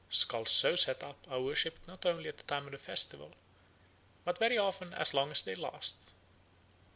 Skulls so set up are worshipped not only at the time of the festival, but very often as long as they last.